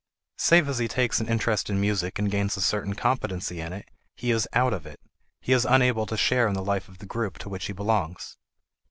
Save as he takes an interest in music and gains a certain competency in it, he is "out of it"; he is unable to share in the life of the group to which he belongs.